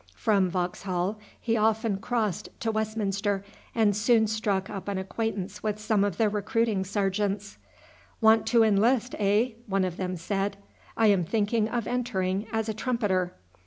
From Vauxhall he often crossed to Westminster, and soon struck up an acquaintance with some of the recruiting sergeants. "Want to enlist, eh?" one of them said. "I am thinking of entering as a trumpeter."